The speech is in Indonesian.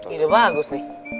ide bagus nih